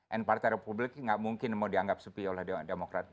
and partai republik gak mungkin mau dianggap sepi oleh demokrat